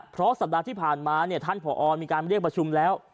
เพราะสัปดาห์ที่ผ่านมาเนี่ยท่านผอมีการเรียกประชุมแล้ว